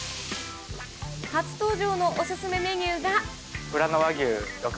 初登場のお勧めメニューが。